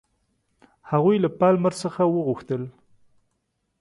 هغوی له پالمر څخه وغوښتل.